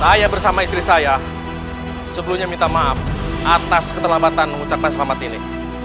saya bersama istri saya sebelumnya minta maaf atas keterlambatan mengucapkan selamat ini